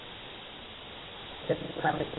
বা আমার ছেলে জেলখানায় আমাকে দেখতে যাবে।